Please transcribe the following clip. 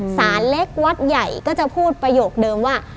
สารเล็กวัดใหญ่ก็จะพูดประโยคเดิมว่า